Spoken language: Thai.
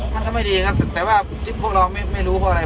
มันก็ไม่ดีครับแต่ว่าที่พวกเราไม่รู้เพราะอะไร